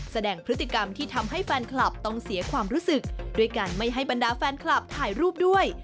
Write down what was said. แสดงพฤติกรรมที่ทำให้แฟนคลับต้องเสียความรู้สึกด้วยการไม่ให้บรรดาแฟนคลับถ่ายรูปด้วย